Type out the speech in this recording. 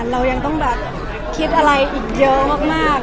เรายังต้องแบบคิดอะไรอีกเยอะมาก